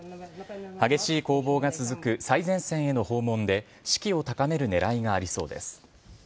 激しい攻防が続く最前線への訪問で、士気を高めるねらいがありそうです。